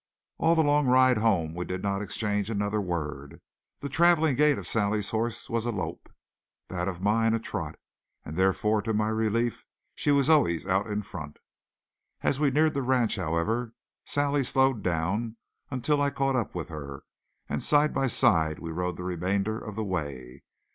All the long ride home we did not exchange another word. The traveling gait of Sally's horse was a lope, that of mine a trot; and therefore, to my relief, she was always out in front. As we neared the ranch, however, Sally slowed down until I caught up with her; and side by side we rode the remainder of the way.